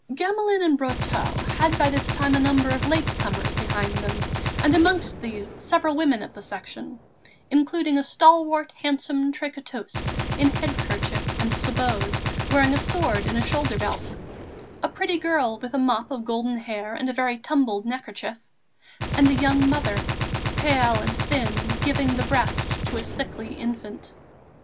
Gamelin and Brotteaux had by this time a number of late comers behind them and amongst these several women of the Section, including a stalwart, handsome tricoteuse, in head kerchief and sabots, wearing a sword in a shoulder belt, a pretty girl with a mop of golden hair and a very tumbled neckerchief, and a young mother, pale and thin, giving the breast to a sickly infant.